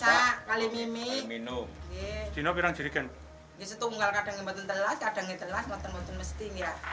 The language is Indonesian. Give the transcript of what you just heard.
kadang kadang yang mesti mesti mesti mesti mesti mesti